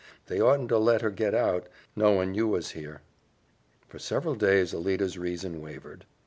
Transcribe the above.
They oughtn't 'a' let her get out, knowin' you was here." For several days Alida's reason wavered.